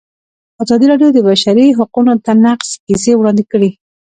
ازادي راډیو د د بشري حقونو نقض کیسې وړاندې کړي.